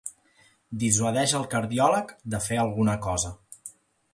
Dissuadeix el cardiòleg de fer alguna cosa.